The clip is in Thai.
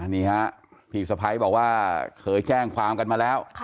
นี่ฮะพี่สะพ้ายบอกว่าเคยแจ้งความกันมาแล้ว